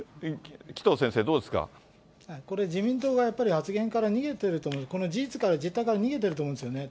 これ、自民党がやっぱり発言から逃げてると思う、この事実から実態から逃げてると思うんですよね。